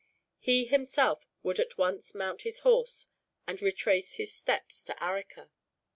He himself would at once mount his horse, and retrace his steps to Arica.